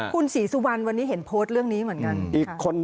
คุณศรีสุวรรณวันนี้เห็นโพสต์เรื่องนี้เหมือนกัน